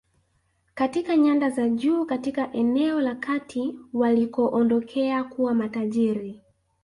Katika nyanda za juu katika eneo la kati walikoondokea kuwa matajiri